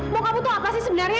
mau kamu tuh apa sih sebenarnya